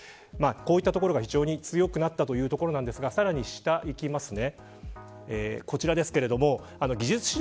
こういったところが非常に強くなったというところなんですがさらに下にいきますね。